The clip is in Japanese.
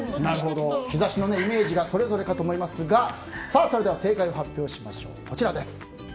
日差しのイメージがそれぞれかと思いますがそれでは正解を発表しましょう。